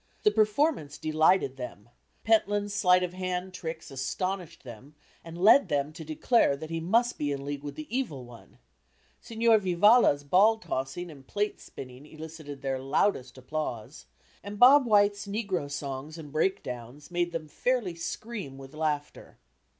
The performance delighted them; Pentland's sleight of hand tricks astonished them and led them to declare that he must be in league with the evil one; Signor Vivalla's ball tossing and plate spinning elicited their loudest applause; and Bob White's negro songs and break downs made them fairly scream with laughter.